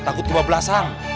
takut kebab belasang